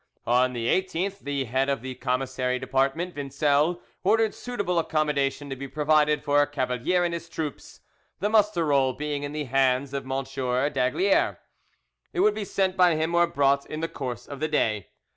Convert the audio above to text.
On the 18th the head of the commissary department, Vincel, ordered suitable accommodation to be provided for Cavalier and his troops; the muster roll being in the hands of M. d'Aygaliers, it would be sent by him or brought in the course of the day.